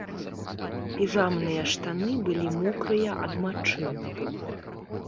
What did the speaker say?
Піжамныя штаны былі мокрыя ад мачы.